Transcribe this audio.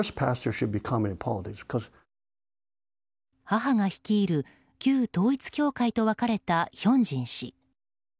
母が率いる旧統一教会と別れたヒョンジン氏。